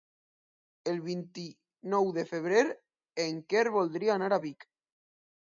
El vint-i-nou de febrer en Quer voldria anar a Vic.